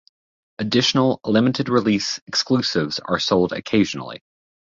Additional limited-release exclusives are sold occasionally.